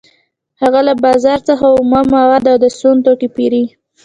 هغه له بازار څخه اومه مواد او د سون توکي پېري